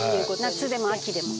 夏でも秋でも？